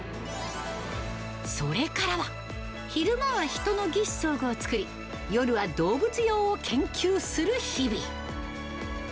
それからは、昼間は人の義肢装具を作り、夜は動物用を研究する日々。